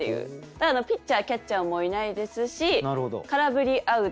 だからピッチャーキャッチャーもいないですし空振りアウト。